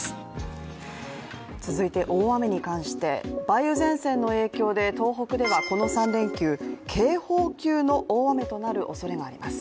続いて大雨に関して梅雨前線の影響でこの３連休、警報級の大雨となるおそれがあります。